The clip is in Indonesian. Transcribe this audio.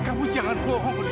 kamu jangan bohong odi